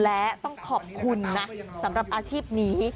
และต้องขอบคุณนะสำหรับอาชีพนี้